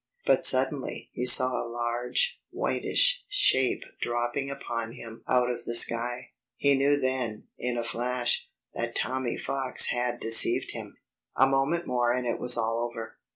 But suddenly he saw a large whitish shape dropping upon him out of the sky. He knew then, in a flash, that Tommy Fox had deceived him. A moment more and it was all over.